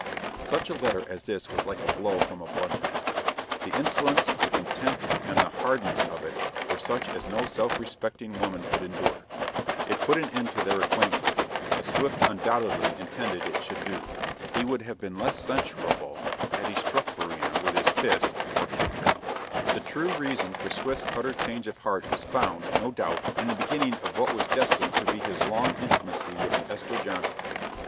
Such a letter as this was like a blow from a bludgeon. The insolence, the contempt, and the hardness of it were such as no self respecting woman could endure. It put an end to their acquaintance, as Swift undoubtedly intended it should do. He would have been less censurable had he struck Varina with his fist or kicked her. The true reason for Swift's utter change of heart is found, no doubt, in the beginning of what was destined to be his long intimacy with Esther Johnson.